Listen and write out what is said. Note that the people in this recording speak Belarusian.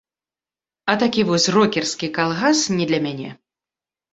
А такі вось рокерскі калгас не для мяне.